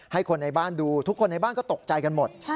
ให้คนในบ้านดูทุกคนในบ้านก็ตกใจกันหมด